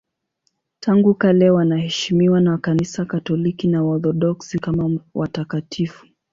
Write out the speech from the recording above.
Tangu kale wanaheshimiwa na Kanisa Katoliki na Waorthodoksi kama watakatifu.